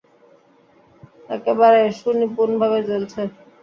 একেবারে সুনিপুণভাবে চলছে।